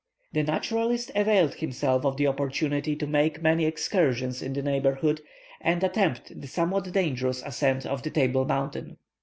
The naturalist availed himself of the opportunity to make many excursions in the neighbourhood, and attempt the somewhat dangerous ascent of the Table Mountain.